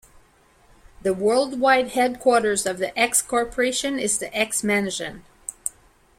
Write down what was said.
The worldwide headquarters of the X-Corporation is the X-Mansion.